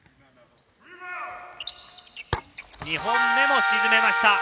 ２本目も沈めました。